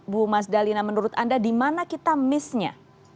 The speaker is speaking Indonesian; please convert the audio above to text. bu mas dalina menurut anda di mana kita missnya